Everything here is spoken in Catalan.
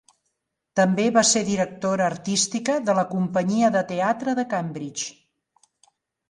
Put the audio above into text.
També va ser directora artística de la companyia de teatre de Cambridge.